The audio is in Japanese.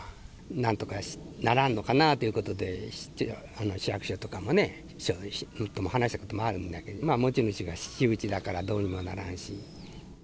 なんとかならんのかなということで、市役所とかにもね、話したこともあるんやけど、持ち主が私有地だから、どうにもならんし。